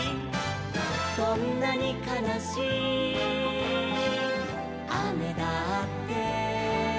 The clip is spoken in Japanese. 「どんなにかなしいあめだって」